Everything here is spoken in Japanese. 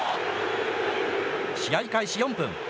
試合開始４分。